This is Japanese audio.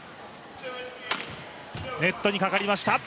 ネットにかかりました。